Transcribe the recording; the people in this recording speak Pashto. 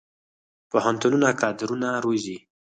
پوهنتونونه کادرونه روزي